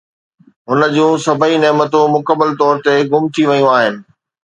هن جون سڀئي نعمتون مڪمل طور تي گم ٿي ويون آهن